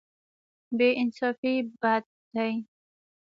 بې انصافي بد دی.